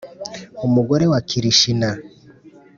umugore wa kirishina